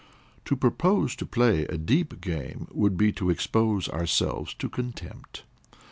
To propose to play a deep game would be to expose ourselves to contempt.